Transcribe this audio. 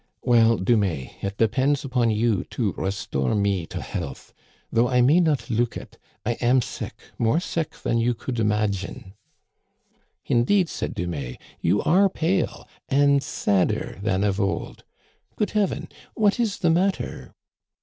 " Well, Dumais, it depends upon you to restore me to health. Though I may not look it, I am sick, more sick than you could imagine." " Indeed," said Dumais, " you are pale, and sadder than of old. Good heaven ! What is the matter?